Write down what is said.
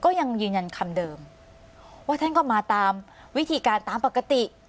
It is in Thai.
ก็ยังยืนยันคำเดิมว่าท่านก็มาตามวิธีการตามปกติ